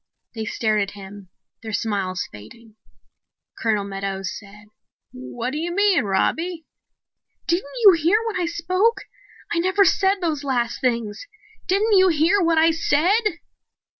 They stared at him, their smiles fading. Colonel Meadows said, "What do you mean, Robbie?" "Didn't you hear when I spoke? I never said those last things. Didn't you hear what I said?"